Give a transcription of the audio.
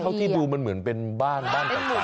เท่าที่ดูมันเหมือนเป็นบ้านบ้านต่าง